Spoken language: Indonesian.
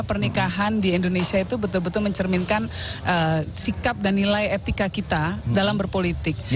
pernikahan di indonesia itu betul betul mencerminkan sikap dan nilai etika kita dalam berpolitik